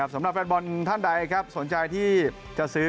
สำหรับแฟนบอลท่านใดครับสนใจที่จะซื้อ